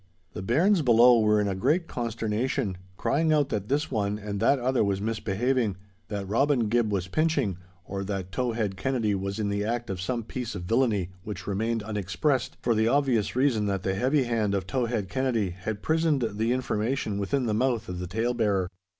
The bairns below were in a great consternation, crying out that this one and that other was misbehaving—that Robin Gibb was pinching, or that Towhead Kennedy was in the act of some piece of villainy which remained unexpressed, for the obvious reason that the heavy hand of Towhead Kennedy had prisoned the information within the mouth of the tale bearer.